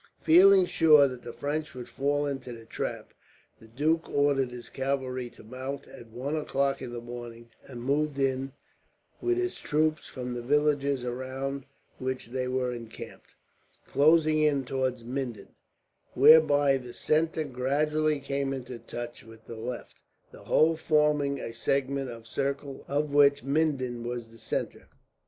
Feeling sure that the French would fall into the trap, the duke ordered his cavalry to mount at one o'clock in the morning, and moved in with his troops from the villages around which they were encamped; closing in towards Minden, whereby the centre gradually came into touch with the left, the whole forming a segment of a circle, of which Minden was the centre.